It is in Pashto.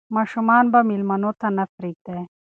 ماشومان به مېلمنو ته نه پرېږدي.